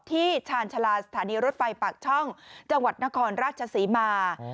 ชาญชาลาสถานีรถไฟปากช่องจังหวัดนครราชศรีมา